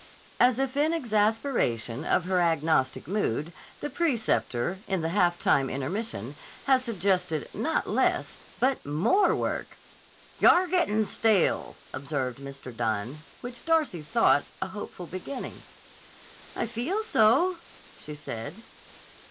As if in exasperation of her agnostic mood, the preceptor, in the half time intermission, had suggested not less, but more work! "Yah'r gettin' stale," observed Mr. Dunne, which Darcy thought a hopeful beginning. "I feel so," she said.